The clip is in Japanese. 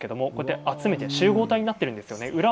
集めて集合体になっているんですよね。